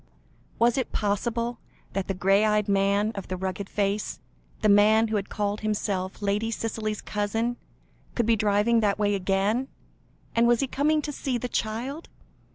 Was it possible that the grey eyed man of the rugged face, the man who had called himself Lady Cicely's cousin, could be driving that way again? And was he coming to see the child?